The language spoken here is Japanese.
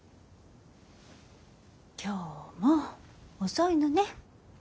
今日も遅いのね。